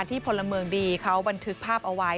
พลเมืองดีเขาบันทึกภาพเอาไว้